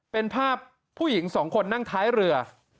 เป็นภาพผู้หญิงสองคนนั่งท้ายเรือ